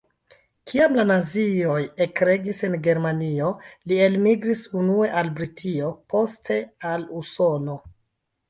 Kiam la nazioj ekregis en Germanio, li elmigris unue al Britio, poste al Usono.